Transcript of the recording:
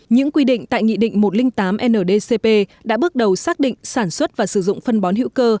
những quy định tại nghị định một trăm linh tám ndcp đã bước đầu xác định sản xuất và sử dụng phân bón hữu cơ